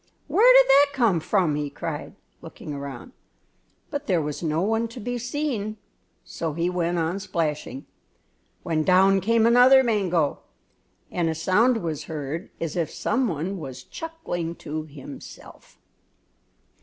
"Where did that come from?" he cried, looking around; but there was no one to be seen, so he went on splashing, when down came another mango, and a sound was heard as if some one was chuckling to himself.